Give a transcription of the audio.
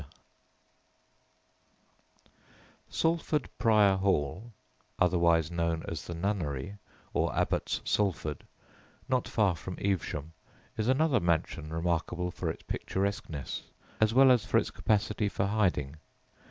_] Salford Prior Hall (otherwise known as "the Nunnery," or Abbots Salford), not far from Evesham, is another mansion remarkable for its picturesqueness as well as for its capacity for hiding.